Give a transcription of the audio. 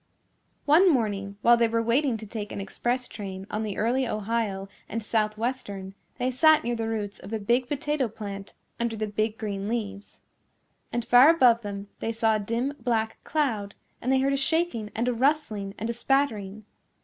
One morning while they were waiting to take an express train on the Early Ohio & Southwestern they sat near the roots of a big potato plant under the big green leaves. And far above them they saw a dim black cloud and they heard a shaking and a rustling and a spattering.